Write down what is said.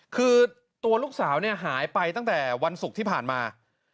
คือตัวลูกสาวเนี่ยหายไปตั้งแต่วันศุกร์ที่ผ่านมา